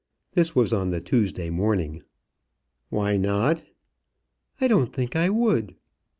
This was on the Tuesday morning. "Why not?" "I don't think I would."